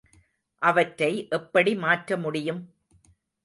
அவற்றை எப்படி மாற்ற முடியும்?